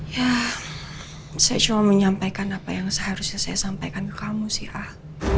ya saya cuma menyampaikan apa yang seharusnya saya sampaikan ke kamu sih ah